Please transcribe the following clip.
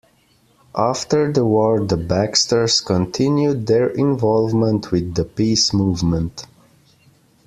After the war the Baxters continued their involvement with the peace movement.